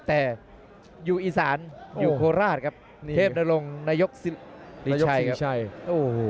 แต่อยู่อีสานอยู่พรรดาครับเทพนรงนายกศิลปริชัยอู้โห